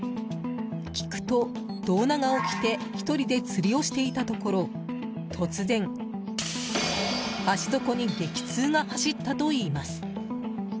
聞くと、胴長を着て１人で釣りをしていたところ突然、足底に激痛が走ったといいます。